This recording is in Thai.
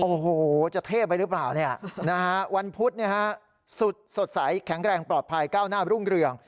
โอ้โหจะเท่ไปหรือเปล่าวันพุธสุดสดใสแข็งแรงปลอดภัยก้าวหน้ารุ่งเรือง